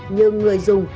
nhưng người dùng